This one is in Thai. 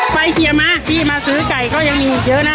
เชียร์มาพี่มาซื้อไก่ก็ยังมีอีกเยอะนะ